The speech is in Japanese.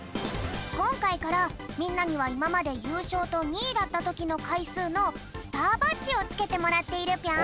こんかいからみんなにはいままでゆうしょうと２いだったときのかいすうのスターバッジをつけてもらっているぴょん。